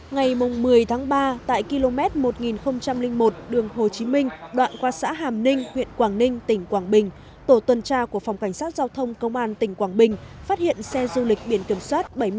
ngày một mươi tháng ba tại km một nghìn một đường hồ chí minh đoạn qua xã hàm ninh huyện quảng ninh tỉnh quảng bình tổ tuần tra của phòng cảnh sát giao thông công an tỉnh quảng bình phát hiện xe du lịch biển kiểm soát bảy mươi bốn a năm nghìn một trăm một mươi bốn do lái xe lê thanh hà bốn mươi bảy tuổi